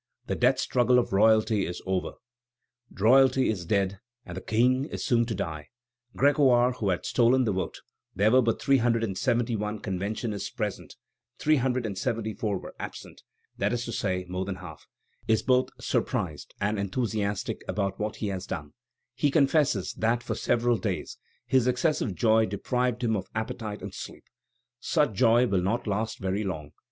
The death struggle of royalty is over. Royalty is dead, and the King is soon to die. Grégoire, who had stolen the vote (there were but 371 conventionists present; 374 were absent; that is to say, more than half), is both surprised and enthusiastic about what he has done. He confesses that for several days his excessive joy deprived him of appetite and sleep. Such joy will not last very long.